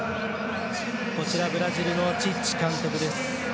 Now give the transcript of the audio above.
ブラジルのチッチ監督です。